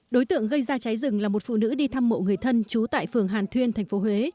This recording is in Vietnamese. đối tượng gây ra cháy rừng là một phụ nữ đi thăm mộ người thân chú tại phường hàn thuyên tp huế